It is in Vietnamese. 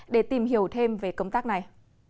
để tìm hiểu thêm về công tác này